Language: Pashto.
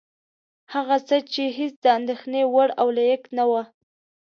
هغه څه چې هېڅ د اندېښنې وړ او لایق نه وه.